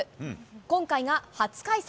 今回が初開催。